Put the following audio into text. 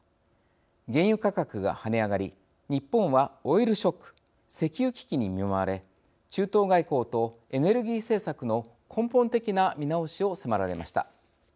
原油価格が跳ね上がり日本はオイルショック石油危機に見舞われ中東外交とエネルギー政策の根本的な見直しを迫られました。